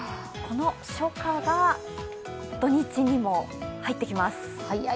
この初夏が土日にも入ってきます。